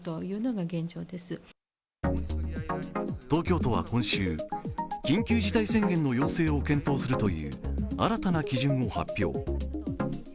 東京都は今週、緊急事態宣言の要請を検討するという新たな基準を発表。